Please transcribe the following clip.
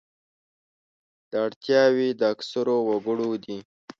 دا اړتیاوې د اکثرو وګړو دي.